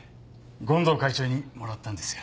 権藤会長にもらったんですよ。